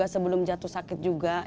sebelum jatuh sakit juga